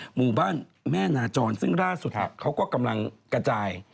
หมู่บ้านแม่นาจรซึ่งล่าสุดเขาก็กำลังกระจาย